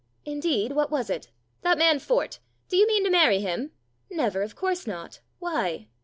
" Indeed ? What was it ?"" That man Fort. Do you mean to marry him ?"" Never. Of course not. Why